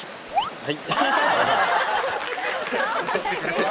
はい。